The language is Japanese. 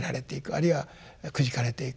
あるいはくじかれていく。